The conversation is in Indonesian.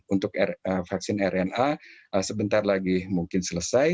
untuk vaksin rna sebentar lagi mungkin selesai